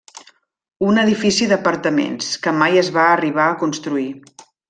Un edifici d'apartaments, que mai es va arribar a construir.